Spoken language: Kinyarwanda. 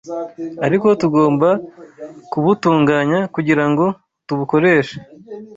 ariko tugomba kubutunganya kugira ngo tubukoreshe